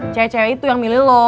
cewe cewe itu yang milih lu